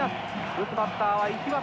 打つバッターは石渡。